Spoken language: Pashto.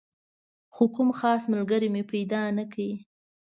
خو کوم خاص ملګری مې پیدا نه کړ.